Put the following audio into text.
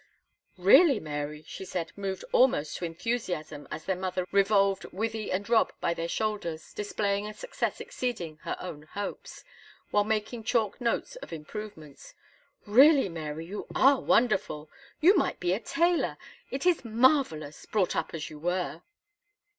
"Really, Mary," she said, moved almost to enthusiasm as their mother revolved Wythie and Rob by their shoulders, displaying a success exceeding her own hopes, while making chalk notes of improvements "really, Mary, you are wonderful! You might be a tailor. It is marvellous, brought up as you were."